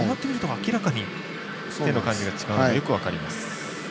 明らかに手の感じが違うのがよく分かります。